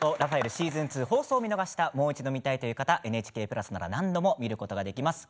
シーズン２、放送を見逃した方はＮＨＫプラスなら何度も見ることができます。